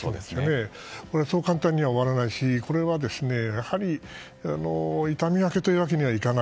そう簡単には終わらないしこれはやはり痛み分けというわけにはいかない。